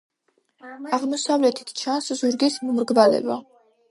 აღმოსავლეთით ჩანს ზურგის მომრგვალება.